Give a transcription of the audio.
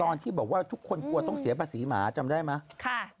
ตอนที่บอกว่าทุกคนควรต้องเสียปลาสีหมาจำได้มั้ยค่ะ